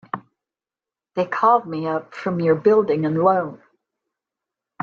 They called me up from your Building and Loan.